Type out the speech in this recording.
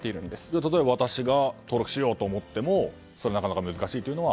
例えば私が登録しようと思ってもなかなか難しいというのは。